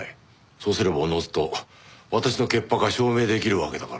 そうすればおのずと私の潔白は証明出来るわけだからね。